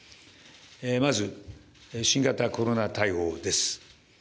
まず、新型コロナ対応です。